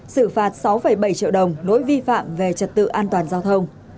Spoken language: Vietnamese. xử phạt sáu bảy triệu đồng lỗi vi phạm về trật tự an toàn giao thông